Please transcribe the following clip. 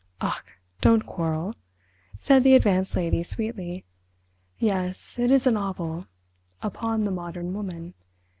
"Ach, don't quarrel," said the Advanced Lady sweetly. "Yes, it is a novel—upon the Modern Woman.